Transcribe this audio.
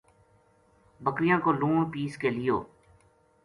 بکریاں کو لون پِیس کے لیو